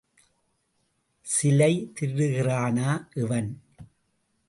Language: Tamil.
சிலை திருடுகிறானா இவன்?